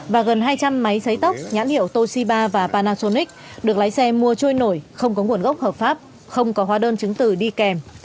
và gần hai trăm linh máy xấy tóc nhãn hiệu toshiba và panasonic được lái xe mua trôi nổi không có nguồn gốc hợp pháp không có hóa đơn chứng tử đi kèm